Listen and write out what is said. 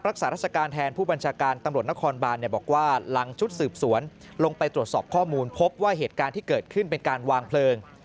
รักษาราชการแทนผู้บัญชาการตำรวจนครบานบอกว่าหลังชุดสืบสวนลงไปตรวจสอบข้อมูลพบว่าเหตุการณ์ที่เกิดขึ้นเป็นการวางเพลิง